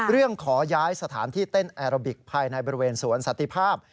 เรื่องขอย้ายสถานที่เต้นแอโรบิกภายในบริเวณสวนสันติภาพ